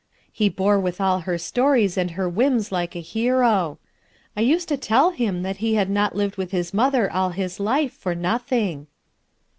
He bore with ail her stories and her whims like a hero. I used to tell him that he had not lived with his mother all his life, for nothing."